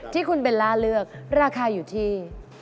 ที่คุณเบลล่าเลือกราคาอยู่ที่